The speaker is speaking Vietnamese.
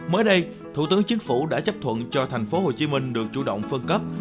mới đây thủ tướng chính phủ đã chấp thuận cho thành phố hồ chí minh được chủ động phân cấp